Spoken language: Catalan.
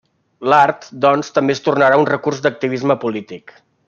L'art, doncs, també es tornarà un recurs d'activisme polític.